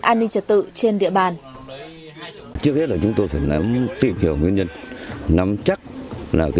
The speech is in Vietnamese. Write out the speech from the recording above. an ninh trật tự trên địa bàn trước hết là chúng tôi phải nắm tìm hiểu nguyên nhân nắm chắc là cái